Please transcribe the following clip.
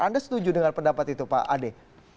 anda setuju dengan pendapat itu pak ade